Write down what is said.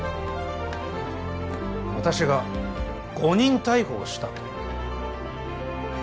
私が誤認逮捕をしたと？